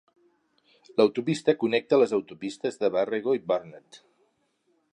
L'autopista connecta les autopistes de Warrego i Burnett.